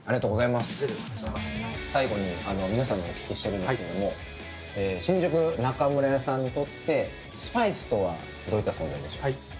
最後に皆さんにお聞きしているんですけれども新宿中村屋さんにとってスパイスとはどんな存在でしょう。